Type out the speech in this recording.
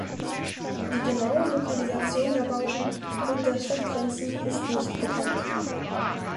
Die genaue Lokalisation der Bauten und der Stadtgrenzen ist nicht bekannt.